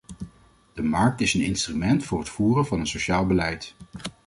De markt is een instrument voor het voeren van een sociaal beleid.